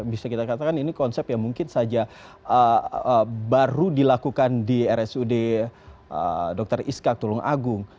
bisa kita katakan ini konsep yang mungkin saja baru dilakukan di rsud dr iskak tulung agung